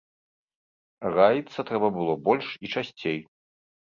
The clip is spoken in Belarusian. Раіцца трэба было больш і часцей.